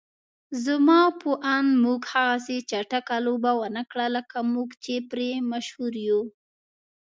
زما په اند موږ هغسې چټکه لوبه ونکړه لکه موږ چې پرې مشهور يو.